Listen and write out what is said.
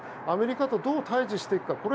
アメリカとどう対峙していくのか。